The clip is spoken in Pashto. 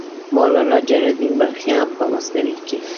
مولانا جلال الدین بلخي هم په مثنوي کې.